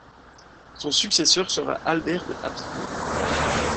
Son successeur sera Albert de Habsbourg.